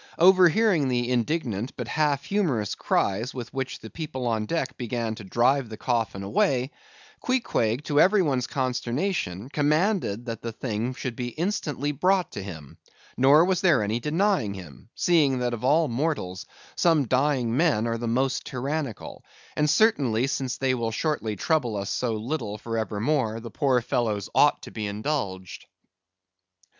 Overhearing the indignant but half humorous cries with which the people on deck began to drive the coffin away, Queequeg, to every one's consternation, commanded that the thing should be instantly brought to him, nor was there any denying him; seeing that, of all mortals, some dying men are the most tyrannical; and certainly, since they will shortly trouble us so little for evermore, the poor fellows ought to be indulged.